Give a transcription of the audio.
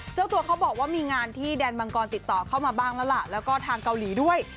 เจ้าตัวเขาบอกว่ามีงานที่แดนมังกรติดต่อเข้ามาบ้างแล้วล่ะแล้วก็ทางเกาหลีด้วย